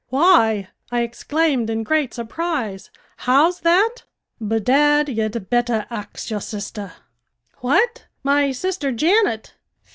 "Why!" I exclaimed in great surprise, "how's that?" "Bedad, you'd betther axe y'r sister." "What! my sister Janet?"